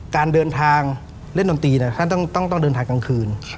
การเดินทางเล่นดนตรีท่านต้องเดินทางกลางคืน